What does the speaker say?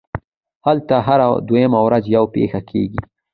هلته هره دویمه ورځ یوه پېښه کېږي